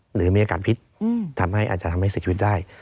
หรือมีอากาศพิษอาจจะทำให้สิทธิวิตได้